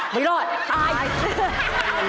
ไม่รอดตาย